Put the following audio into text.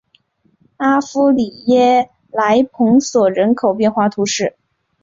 阿夫里耶莱蓬索人口变化图示